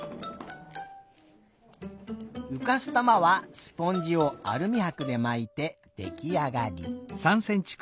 うかす玉はスポンジをアルミはくでまいてできあがり。